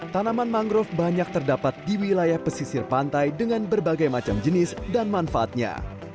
tanaman mangrove banyak terdapat di wilayah pesisir pantai dengan berbagai macam jenis dan manfaatnya